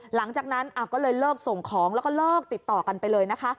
หลังจากนั้นก็เลยเลิกส่งของแล้วก็เลิกติดต่อกันไปเลยนะคะ